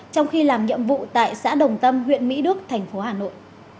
trong khi làm nhiệm vụ tại xã đồng tâm huyện mỹ đức thành phố hà nội